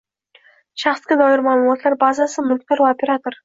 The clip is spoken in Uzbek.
Shaxsga doir ma’lumotlar bazasi mulkdor va operator